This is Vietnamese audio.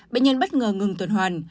bệnh nhân bất ngờ ngừng tuần hoàn